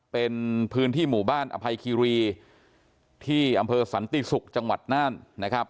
เป็นพื้นที่หมู่บ้านอภัยคีรีที่อำเภอสันติศุกร์จังหวัดน่านนะครับ